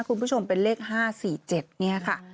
คุณผู้ชมเป็นเลข๕๔๗เนี่ยค่ะ